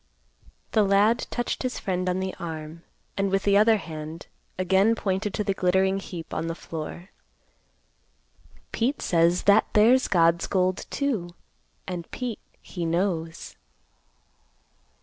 The lad touched his friend on the arm, and with the other hand again pointed to the glittering heap on the floor. "Pete says that there's God's gold too, and Pete he knows."